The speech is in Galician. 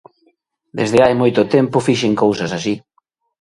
Desde hai moito tempo fixen cousas así.